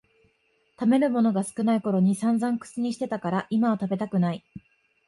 食べるものが少ないころにさんざん口にしてたから今は食べたくない